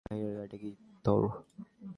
বাহিরের গাড়িটা কি তোর?